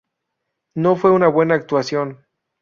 No fue una buena actuación.